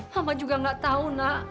hama juga nggak tahu nak